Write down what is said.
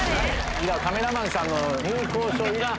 カメラマンさんの入構証いらん。